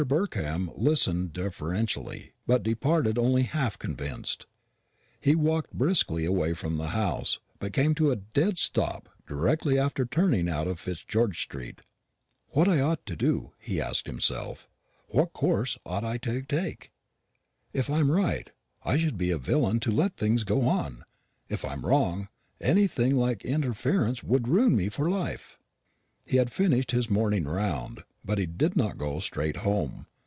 Burkham listened deferentially, but departed only half convinced. He walked briskly away from the house, but came to a dead stop directly after turning out of Fitzgeorge street. "What ought I to do?" he asked himself. "What course ought I to take? If I am right, I should be a villain to let things go on. If I am wrong, anything like interference would ruin me for life." He had finished his morning round, but he did not go straight home.